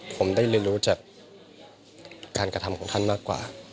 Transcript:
ผมได้เรียนรู้จากการกระทำของท่านมากกว่า